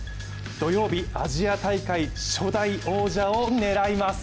土曜日、アジア大会初代王座を狙います。